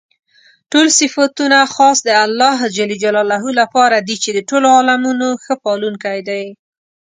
ټول صفتونه خاص د الله لپاره دي چې د ټولو عالَمونو ښه پالونكى دی.